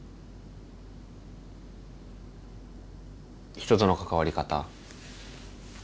人との関わり方。